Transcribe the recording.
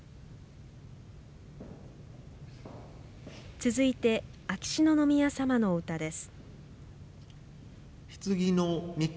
続いて秋篠宮さまのお歌です。